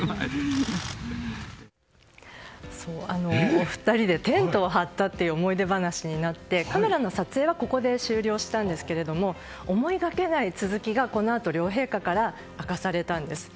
お二人でテントを張ったという思い出話になってカメラの撮影はここで終了したんですが思いがけない続きが、このあと両陛下から明かされたんです。